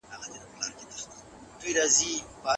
هغه نجلۍ چې باسکټبال کوي زما همکاره ده.